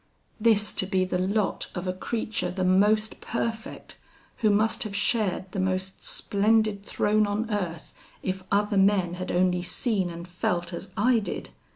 This to be the lot of a creature the most perfect, who must have shared the most splendid throne on earth, if other men had only seen and felt as I did!